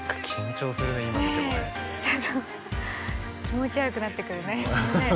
ちょっと気持ち悪くなってくるね。